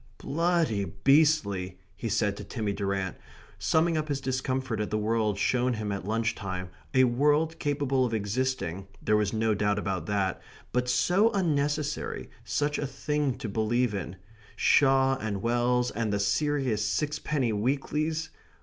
"Bloody beastly," he said to Timmy Durrant, summing up his discomfort at the world shown him at lunch time, a world capable of existing there was no doubt about that but so unnecessary, such a thing to believe in Shaw and Wells and the serious sixpenny weeklies!